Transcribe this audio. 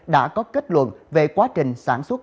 đã có kết luận về quá trình sản xuất